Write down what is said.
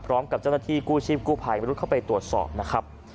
พร้อมกับเจ้าหน้าที่กู้ชีพกู้ภัยมรุษเข้าไปตรวจสอบนะครับ